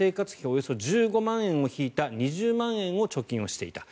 およそ１５万円を引いた２０万円を貯金していた。